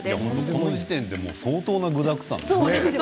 この時点で相当具だくさんですね。